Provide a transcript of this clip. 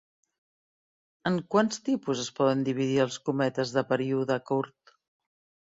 En quants tipus es poden dividir els cometes de període curt?